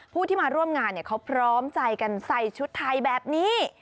ผู้ที่มาร่วมงานเขาพร้อมใจกันใส่ชุดไทยแบบนี้